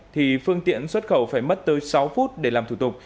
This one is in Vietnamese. thì phương tiện xuất khẩu phải mất tới sáu phút để làm thủ tục